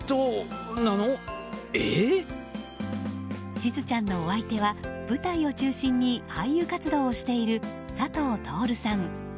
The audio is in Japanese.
しずちゃんのお相手は舞台を中心に俳優活動をしている佐藤達さん。